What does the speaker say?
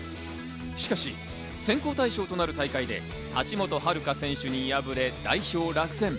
しかし選考対象となる大会で田知本遥選手に敗れ代表落選。